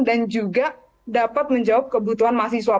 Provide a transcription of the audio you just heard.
dan juga dapat menjawab kebutuhan mahasiswa